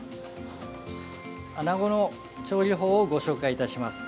アナゴの調理法をご紹介いたします。